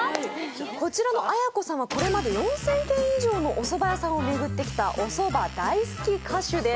こちらのあやこさんはこれまで４０００軒以上のお蕎麦屋さんを巡ってきたお蕎麦大好き歌手です